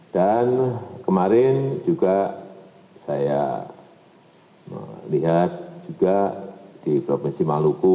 dan kemarin juga saya melihat juga di provinsi maluku